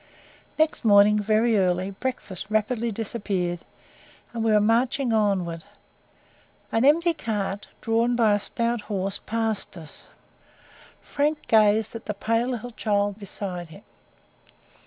Next morning, very early, breakfast rapidly disappeared, and we were marching onwards. An empty cart, drawn by a stout horse, passed us. Frank glanced at the pale little child beside him.